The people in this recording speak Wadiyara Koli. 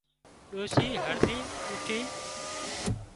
ڏوشي هڙۮينَ اوٺي